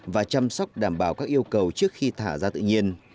và chăm sóc đảm bảo các yêu cầu trước khi thả ra tự nhiên